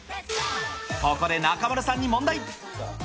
ここで中丸さんに問題。